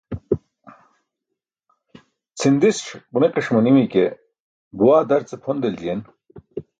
Cʰindiṣ ġunikiṣ manimi ke buwaa darcee pʰon deljiyen.